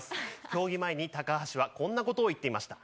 競技前に高橋はこんなことを言ってました。